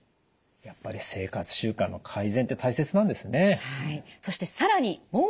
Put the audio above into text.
やっぱり生活習慣の改善って大切なんですね。